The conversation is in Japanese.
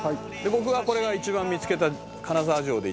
「僕がこれが一番見つけた金沢城で一番」